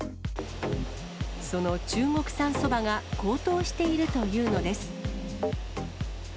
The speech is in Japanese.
その中国産そばが高騰しているというのです。